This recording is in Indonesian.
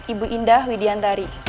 ibu indah widiantari